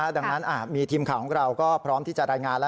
ดังนั้นมีทีมข่าวของเราก็พร้อมที่จะรายงานแล้ว